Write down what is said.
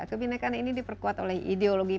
kebinekaan ini diperkuat oleh ideologi